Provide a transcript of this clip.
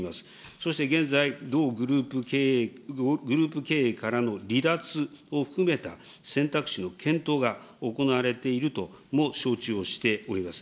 そして現在、同グループ経営からの離脱を含めた選択肢の検討が行われているとも承知をしております。